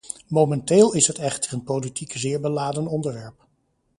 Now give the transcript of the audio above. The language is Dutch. Momenteel is het echter een politiek zeer beladen onderwerp.